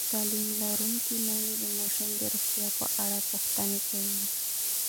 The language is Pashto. تعلیم لرونکې میندې د ماشومانو د روغتیا په اړه پوښتنې کوي.